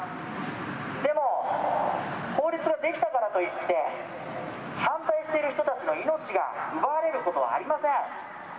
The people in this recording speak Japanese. でも、法律が出来たからといって、反対している人たちの命が奪われることはありません。